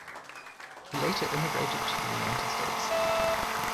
He later immigrated to the United States.